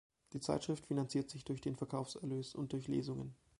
Die Zeitschrift finanziert sich durch den Verkaufserlös und durch Lesungen.